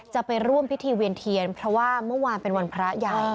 จะไปร่วมพิธีเวียนเทียนเพราะว่าเมื่อวานเป็นวันพระใหญ่